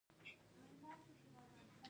افغانستان کې هوا د خلکو د خوښې وړ ځای دی.